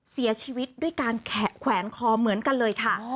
เสียชีวิตด้วยการแขวนคอเหมือนกันเลยค่ะ